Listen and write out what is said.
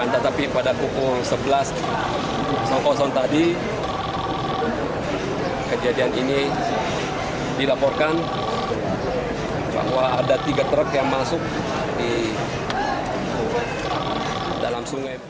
tetapi pada pukul sebelas tadi kejadian ini dilaporkan bahwa ada tiga truk yang masuk di dalam sungai